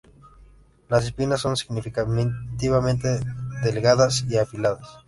Las espinas son significativamente delgadas y afiladas.